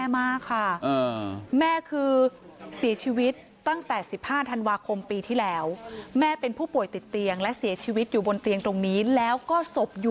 พอเจ้าหน้าที่เข้าไปคุณลุงร้องไห้เลย